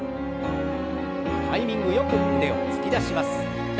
タイミングよく腕を突き出します。